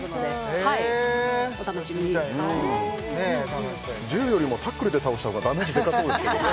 いお楽しみに銃よりもタックルで倒した方がダメージでかそうですけどね